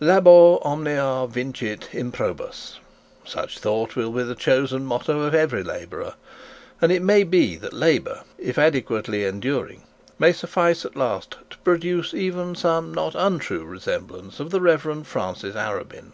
Labor omnia vincit improbus. Such should be the chosen motto of every labourer, and it may be that labour, if adequately enduring, may suffice at last to produce even some not untrue resemblance of the Rev. Francis Arabin.